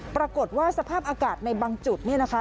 ปรากฏว่าสภาพอากาศในบางจุดเนี่ยนะคะ